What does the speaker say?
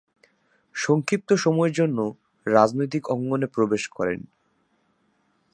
সংক্ষিপ্ত সময়ের জন্যে রাজনৈতিক অঙ্গনে প্রবেশ করেন।